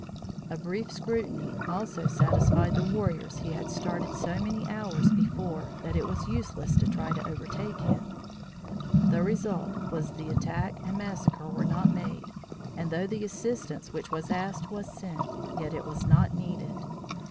A brief scrutiny also satisfied the warriors he had started so many hours before, that it was useless to try to overtake him. The result was the attack and massacre were not made, and, though the assistance which was asked was sent, yet it was not needed.